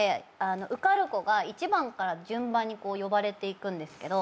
受かる子が１番から順番に呼ばれていくんですけど。